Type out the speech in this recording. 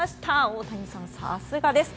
大谷さん、さすがです！